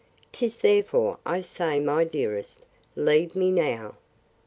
'Tis therefore I say, my dearest, leave me now.